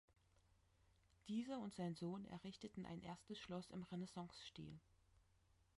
Dieser und sein Sohn errichteten ein erstes Schloss im Renaissance-Stil.